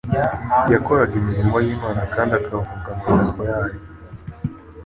Yakoraga imirimo y'Imana kandi akavuga amagambo yayo.